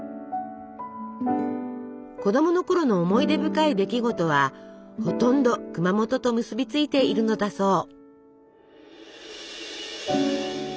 子供のころの思い出深い出来事はほとんど熊本と結びついているのだそう。